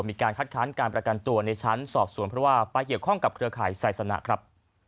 มีการคัดค้านการประกันตัวในชั้นสอบส่วนเพราะว่าไปเกี่ยวข้องกับเครือข่ายไซสนะครับ